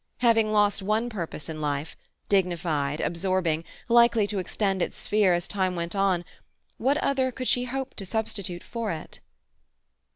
Having lost one purpose in life, dignified, absorbing, likely to extend its sphere as time went on, what other could she hope to substitute for it?